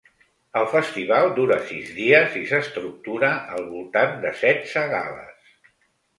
El festival dura sis dies i s’estructura al voltant de setze gales.